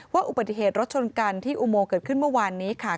อุบัติเหตุรถชนกันที่อุโมงเกิดขึ้นเมื่อวานนี้ค่ะ